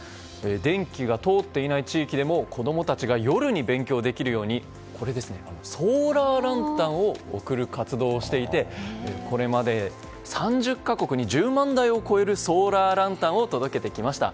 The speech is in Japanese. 電気が通っていない地域でも子供たちが夜に勉強できるようにこのソーラーランタンを送る活動をしていてこれまで３０か国に１０万台を超えるソーラーランタンを届けてきました。